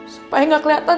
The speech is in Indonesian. supaya gak kelihatan